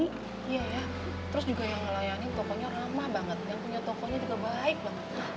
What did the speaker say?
iya ya terus juga yang ngelayanin tokonya ramah banget yang punya tokonya juga baik banget